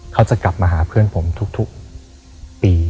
เขาจะกลับมาหาเพื่อนผมทุกปี